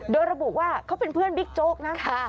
โดยระบุว่าเขาเป็นเพื่อนบิ๊กโจ๊กนะ